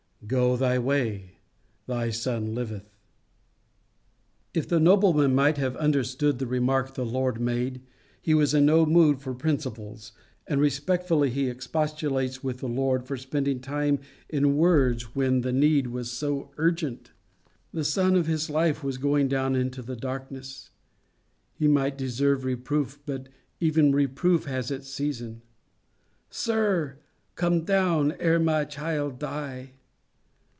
"Go thy way, thy son liveth." If the nobleman might have understood the remark the Lord made, he was in no mood for principles, and respectfully he expostulates with our Lord for spending time in words when the need was so urgent. The sun of his life was going down into the darkness. He might deserve reproof, but even reproof has its season. "Sir, come down ere my child die."